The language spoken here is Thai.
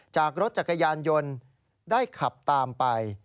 จากรถจักรยานยนต์ได้ขับตามไป